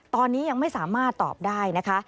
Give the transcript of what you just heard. ตอนนี้ยังไม่สามารถตอบได้นะคะ